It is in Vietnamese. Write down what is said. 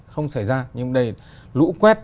không xảy ra nhưng đây lũ quét